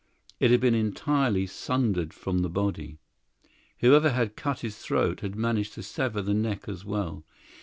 It had been entirely sundered from the body; whoever had cut his throat had managed to sever the neck as well.